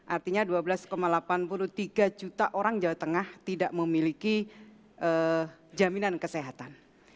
artinya dua belas delapan puluh tiga juta orang jawa tengah tidak memiliki jaminan kesehatan